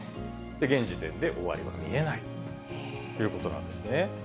現時点で終わりは見えないということなんですね。